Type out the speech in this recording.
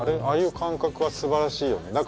ああいう感覚はすばらしいよね。